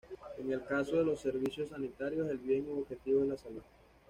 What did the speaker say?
En el caso de los servicios sanitarios, el bien u objetivo es la salud.